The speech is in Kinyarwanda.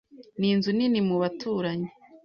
Ni inzu nini mu baturanyi.